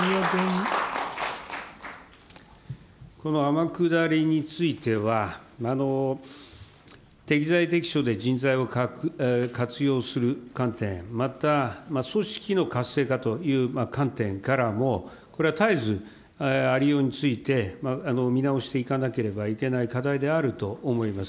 この天下りについては、適材適所で人材を活用する観点、また組織の活性化という観点からも、これは絶えず、ありようについて見直していかなければいけない課題であると思います。